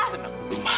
tenang dulu ma